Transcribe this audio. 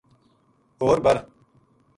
ہور بر